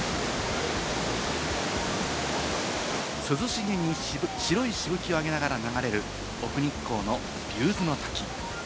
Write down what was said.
涼しげに白いしぶきを上げながら流れる奥日光の竜頭ノ滝。